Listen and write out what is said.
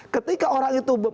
ketika orang itu